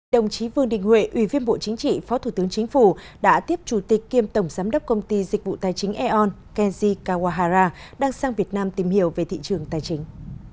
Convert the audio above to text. đồng chí vương đình huệ ủy viên bộ chính trị phó thủ tướng chính phủ đã tiếp chủ tịch kiêm tổng giám đốc công ty dịch vụ tài chính aon kenji kawahara đang sang việt nam tìm hiểu về thị trường tài chính